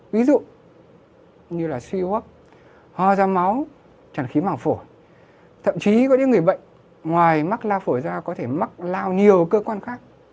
ví dụ như là suy huốc hoa da máu tràn khí màng phổ thậm chí có những người bệnh ngoài mắc lao phổ da có thể mắc lao nhiều cơ quan khác